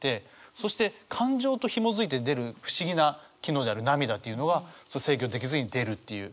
そして感情とひもづいて出る不思議な機能である涙っていうのは制御できずに出るっていう。